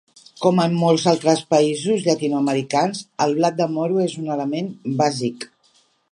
Com en molts altres països llatinoamericans, el blat de moro és un element bàsic.